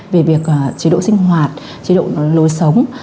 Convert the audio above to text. về việc chế độ sinh hoạt chế độ lối sống